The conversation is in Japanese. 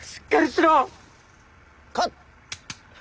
しっかりしろ！